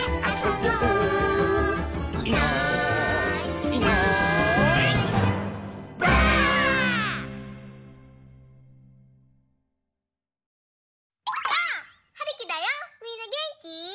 ばあっ！はるきだよみんなげんき？